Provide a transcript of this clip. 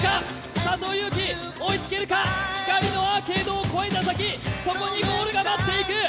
佐藤悠基、追いつけるかアーケードを越えた先そこにゴールが待っている！